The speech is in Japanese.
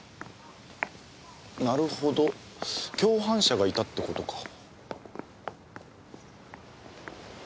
なるほど共犯者がいたって事か。